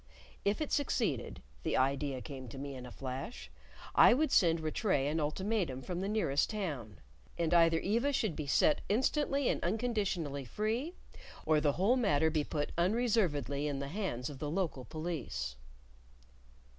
If it succeeded the idea came to me in a flash I would send Rattray an ultimatum from the nearest town; and either Eva should be set instantly and unconditionally free, or the whole matter be put unreservedly in the hands of the local police.